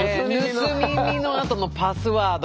「盗み見」のあとの「パスワード」。